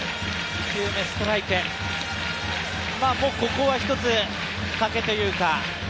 ここはひとつ、かけというか？